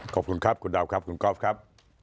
ขอบคุณครับคุณดาวครับคุณก๊อฟครับ